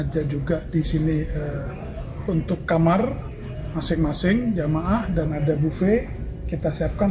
juga di sini untuk kamar masing masing jemaah dan ada bufe kita siapkan